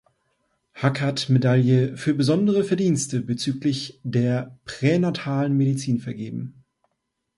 Haackert-Medaille für besondere Verdienste bezüglich der Pränatalen Medizin vergeben.